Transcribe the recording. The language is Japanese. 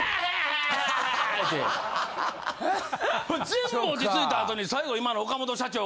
全部落ち着いたあとに最後今の岡本社長